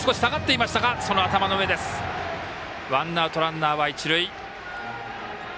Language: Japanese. ワンアウト、ランナーは一塁。